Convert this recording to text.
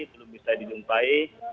ini belum bisa dilumpahi